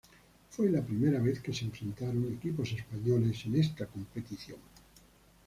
Fue la primera vez que se enfrentaron equipos españoles en esta competición.